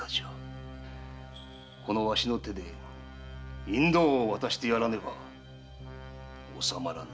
このわしの手で引導を渡してやらねば納まらぬ。